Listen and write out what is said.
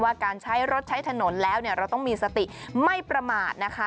การใช้รถใช้ถนนแล้วเนี่ยเราต้องมีสติไม่ประมาทนะคะ